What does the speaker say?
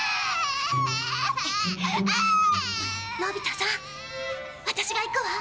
のび太さんワタシが行くわ。